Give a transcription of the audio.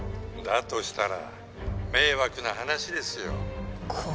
「だとしたら迷惑な話ですよ」